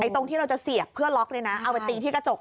ตรงที่เราจะเสียบเพื่อล็อกเอาไปตีที่กระจก